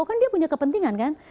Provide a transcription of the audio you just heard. kan dia punya kepentingan kan